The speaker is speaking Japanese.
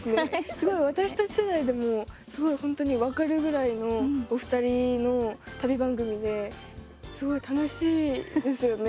すごい私たち世代でもすごい本当に分かるぐらいのお二人の旅番組ですごい楽しいですよね